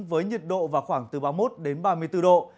với nhiệt độ vào khoảng từ ba mươi một đến ba mươi bốn độ